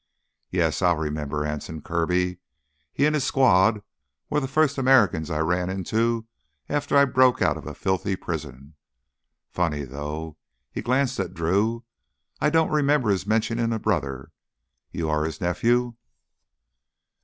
Yes, I'll remember Anson Kirby. He and his squad were the first Americans I ran into after I broke out of a filthy prison. Funny though"—he glanced at Drew—"I don't remember his mentioning a brother. You are his nephew?"